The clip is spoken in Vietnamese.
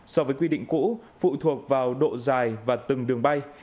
so với quy định cũ phụ thuộc vào độ dài và từng đường bay